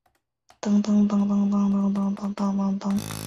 长梗匙叶五加为五加科五加属匙叶五加的变种。